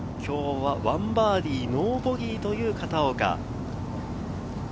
今日は１バーディー、ノーボギーという片岡。